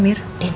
biar aku banding